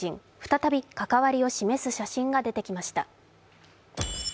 再び、関わりを示す写真が出てきました。